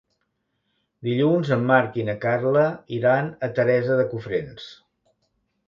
Dilluns en Marc i na Carla iran a Teresa de Cofrents.